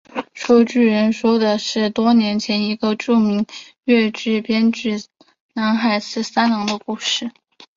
说书人说的是多年前一个著名的粤剧编剧南海十三郎的故事。